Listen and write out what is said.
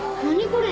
これ。